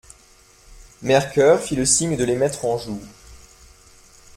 Mercœur fit le signe de les mettre en joue.